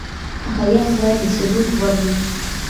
حقايق بايد د ثبوت وړ وي.